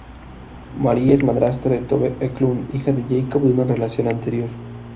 Marie es madrastra de Tove Eklund, hija de Jakob de una relación anterior.